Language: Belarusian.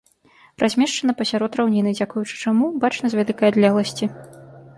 Размешчана пасярод раўніны, дзякуючы чаму бачна з вялікай адлегласці.